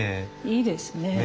いいですね。